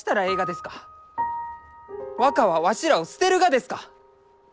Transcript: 若はわしらを捨てるがですか？